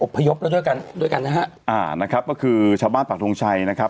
พยพแล้วด้วยกันด้วยกันนะฮะอ่านะครับก็คือชาวบ้านปากทงชัยนะครับ